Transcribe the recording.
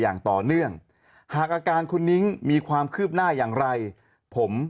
อย่างต่อเนื่องหากอาการคุณนิ้งมีความคืบหน้าอย่างไรผม